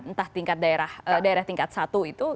entah tingkat daerah daerah tingkat satu itu